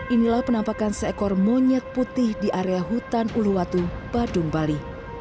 inilah penampakan seekor monyet putih di area hutan uluwatu badung bali